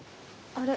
あれ？